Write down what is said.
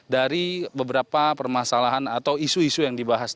dari beberapa permasalahan atau isu isu yang dibahas